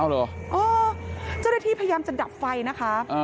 เจ้าหน้าที่พยายามจะดับไฟนะคะ